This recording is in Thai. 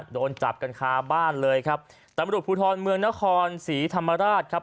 โดนจับกันคาบ้านเลยครับตำรวจภูทรเมืองนครศรีธรรมราชครับ